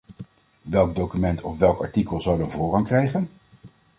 Welk document of welk artikel zou dan voorrang krijgen?